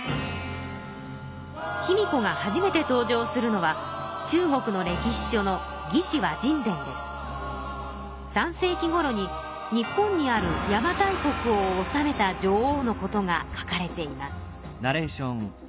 卑弥呼が初めて登場するのは中国の歴史書の３世紀ごろに日本にある邪馬台国を治めた女王のことが書かれています。